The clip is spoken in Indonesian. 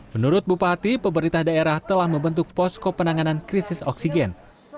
menurut bupati pemerintah daerah telah membentuk posko penanganan krisis oksigen